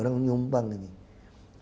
orang menyumbang nih